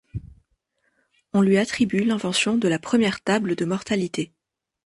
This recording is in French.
On lui attribue l'invention de la première table de mortalité.